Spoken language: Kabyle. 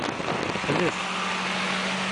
Xlef.